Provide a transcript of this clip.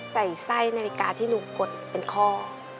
ใส่ไส่นาฬิกาที่หนูกดเป็นคอน